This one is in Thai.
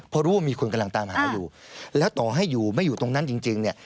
เพราะรู้ว่ามีคนกำลังตามหาอยู่แล้วต่อให้อยู่ไม่อยู่ตรงนั้นจริงเนี่ย